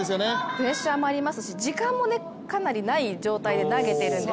プレッシャーもありますし、時間もかなりない状態で投げてるんです。